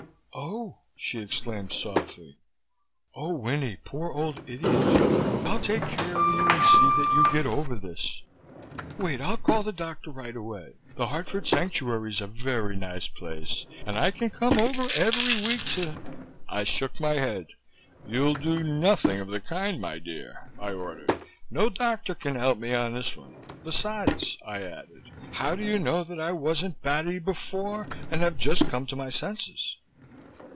"Oh!" she exclaimed softly. "Oh Winnie! Poor old idiot! I'll take care of you and see that you get over this. Wait, I'll call the doctor right away. The Hartford Sanctuary's a very nice place, and I can come over every week to " I shook my head. "You'll do nothing of the kind, my dear," I ordered. "No doctor can help me on this one. Besides," I added, "how do you know that I wasn't batty before and have just come to my senses."